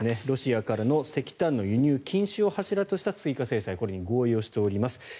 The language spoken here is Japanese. ロシアからの石炭の輸入禁止を柱とした追加制裁に合意しております。